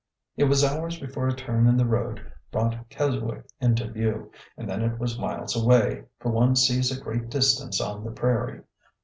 It was hours before a turn in the road brought Kes wick into view, and then it was miles away, for one sees a great distance on the prairie.